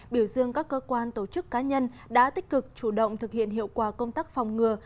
biểu dương các cơ quan tổ chức cá nhân đã tích cực chủ động thực hiện hiệu quả công tác phòng ngừa